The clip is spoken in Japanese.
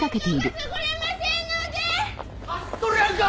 走っとるやんか！